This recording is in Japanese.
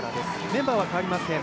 メンバーは替わりません